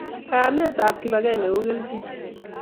Kayanet tab kibakeng ko kelvin